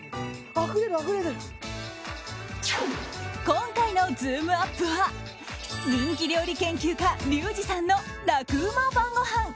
今回のズームＵＰ！は人気料理研究家・リュウジさんの楽ウマ晩ごはん。